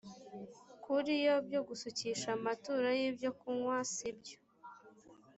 kuri yo byo gusukisha amaturo y ibyokunywa sibyo